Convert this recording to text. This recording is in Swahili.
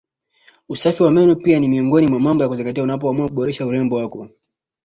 Usafi wa meno pia ni miongoni mwa mambo ya kuzingatia unapoamua kuboresha urembo wako